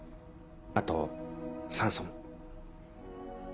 あと酸素も。